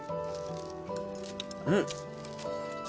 うん。